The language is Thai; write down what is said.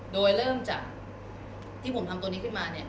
โดยเริ่มจากที่ผมทำตัวนี้ขึ้นมาเนี่ย